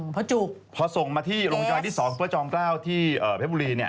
พอส่งมาที่โรงพยาบาลที่๒ประเจอมก้าวที่เผ็ดบุรี